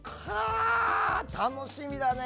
楽しみだね！